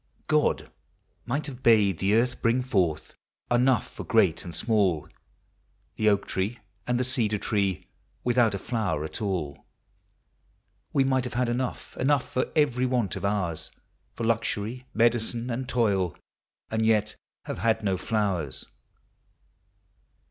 God might have bade the earth bring forth Enough for great and small. The oak tree and the cedar tree, Without a flower at all. We might have had enough, enough For every want of ours, For luxury, medicine, and toil, And yet have had no flowers.